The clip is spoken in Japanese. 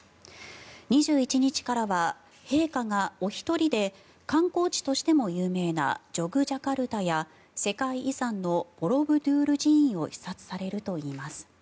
２１日からは陛下がおひとりで観光地としても有名なジョクジャカルタや世界遺産のボロブドゥール寺院を視察されるといいます。